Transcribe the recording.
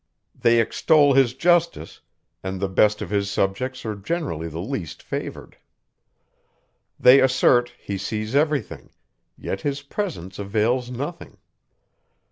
They extol his justice; and the best of his subjects are generally the least favoured. They assert, he sees everything; yet his presence avails nothing.